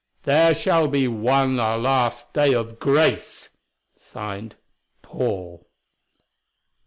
There shall be one last day of grace." Signed: "Paul."